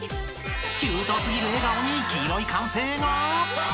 ［キュートすぎる笑顔に黄色い歓声が］